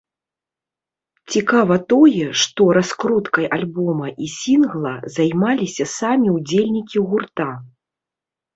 Цікава тое, што раскруткай альбома і сінгла займаліся самі ўдзельнікі гурта.